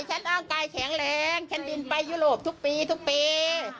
ร่างกายแข็งแรงฉันบินไปยุโรปทุกปีทุกปี